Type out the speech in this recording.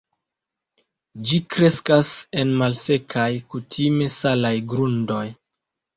Ĝi kreskas en malsekaj, kutime salaj grundoj.